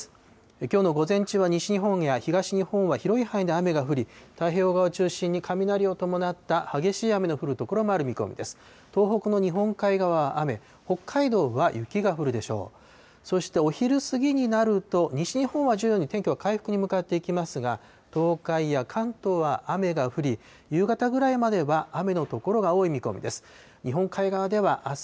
きょうの午前中は、西日本や東日本は広い範囲で雨が降り、太平洋側を中心に雷を伴った激しい雨の降る所もある見込みです。